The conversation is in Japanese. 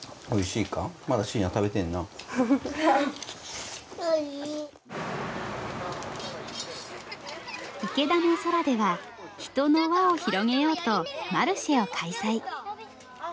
いけだのそらでは人の輪を広げようとマルシェを開催。